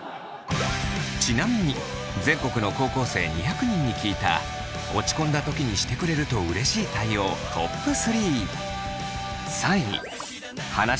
ちなみに全国の高校生２００人に聞いた落ち込んだ時にしてくれるとうれしい対応トップ３。